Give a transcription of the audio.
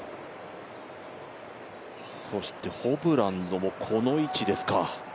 そしてホブランドもこの位置ですか。